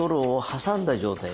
挟んだ状態。